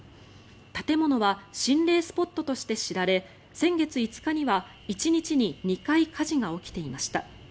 建物は心霊スポットとして知られ先月５日には１日に２回火事が起きていました。